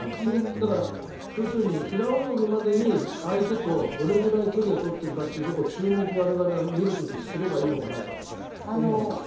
だから、要するに平泳ぎまでに相手とどれくらい距離を取っているかを注目を、我々は見る時にすればいいのかなと思いますが。